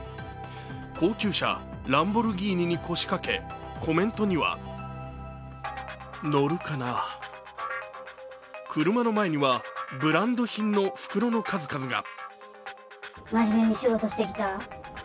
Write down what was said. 高級車・ランボルギーニに腰掛け、コメントには車の前にはブランド品の袋の数々が。